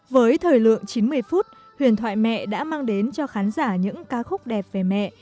với thời lượng chín mươi phút huyền thoại mẹ đã mang đến cho khán giả những ca khúc đẹp về mẹ